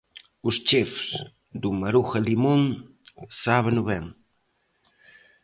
Os chefs do Maruja Limón sábeno ben.